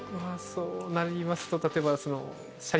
そうなりますと例えば。